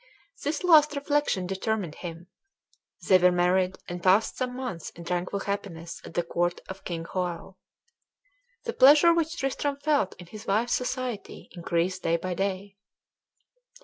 This last reflection determined him. They were married, and passed some months in tranquil happiness at the court of King Hoel. The pleasure which Tristram felt in his wife's society increased day by day.